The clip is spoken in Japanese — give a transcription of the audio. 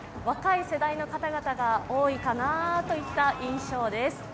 若い世代の方々が多いかなといった印象です。